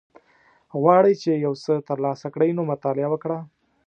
غواړی چی یوڅه تر لاسه کړی نو مطالعه وکړه